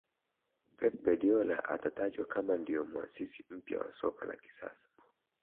pep guardiola atatajwa kama ndio muasisi mpya wa soka la kisasa